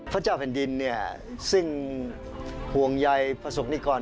พระเจ้าแผ่นดินซึ่งห่วงใยประสบนิกร